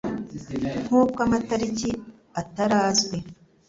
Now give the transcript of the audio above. Nk'uko amatariki Atari azwi